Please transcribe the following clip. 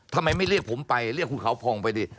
ทำไมไม่เรียกผมไปเรียกภูเขาพองไปดิ